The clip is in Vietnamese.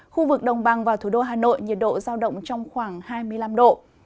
khu vực đồng bằng và thủ đô hà nội nhiệt độ giao động trong khoảng hai mươi năm độ